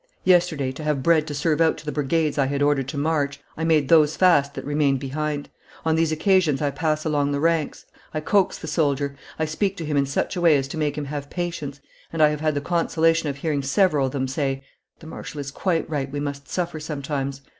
Yesterday, to have bread to serve out to the brigades I had ordered to march, I made those fast that remained behind. On these occasions I pass along the ranks, I coax the soldier, I speak to him in such a way as to make him have patience, and I have had the consolation of hearing several of them say, 'The marshal is quite right; we must suffer sometimes.